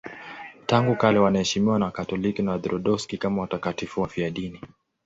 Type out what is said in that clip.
Tangu kale wanaheshimiwa na Wakatoliki na Waorthodoksi kama watakatifu wafiadini.